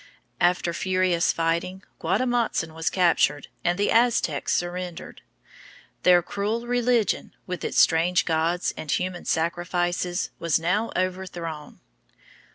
After furious fighting Guatemotzin was captured, and the Aztecs surrendered. Their cruel religion, with its strange gods and human sacrifices, was now overthrown.